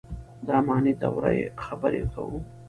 د اماني دورې خبره کوو.